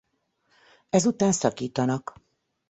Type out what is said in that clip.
Ezután szakítanak.